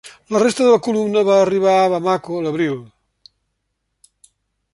La resta de la columna va arribar a Bamako l'abril.